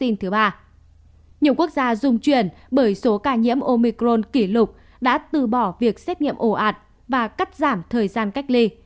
nhiều quốc gia dung chuyển bởi số ca nhiễm omicron kỷ lục đã từ bỏ việc xét nghiệm ổ ạt và cắt giảm thời gian cách ly